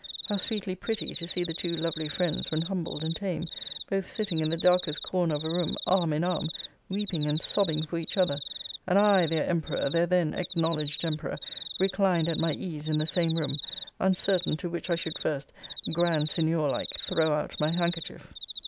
How sweetly pretty to see the two lovely friends, when humbled and tame, both sitting in the darkest corner of a room, arm in arm, weeping and sobbing for each other! and I their emperor, their then acknowledged emperor, reclined at my ease in the same room, uncertain to which I should first, grand signor like, throw out my handkerchief!